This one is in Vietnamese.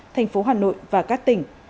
thành phố hà nội và các tỉnh